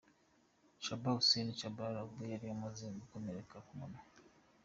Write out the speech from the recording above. Shaban Hussein Tchabalala ubwo yari amaze gukomereka ku munwa.